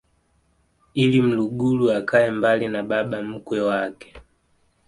ili mlugulu akae mbali na baba mkwe wake